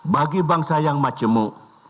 bagi bangsa yang majemuk